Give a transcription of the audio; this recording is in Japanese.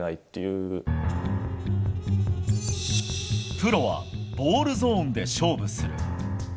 プロはボールゾーンで勝負する。